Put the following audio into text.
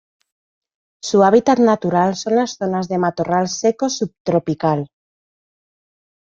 Su hábitat natural son las zonas de matorral seco subtropical.